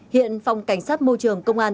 hiện phòng cảnh sát môi trường công an